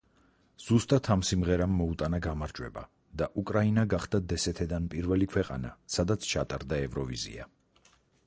ზუსტად ამ სიმღერამ მოუტანა გამარჯვება და უკრაინა გახდა დსთ-დან პირველი ქვეყანა, სადაც ჩატარდა ევროვიზია.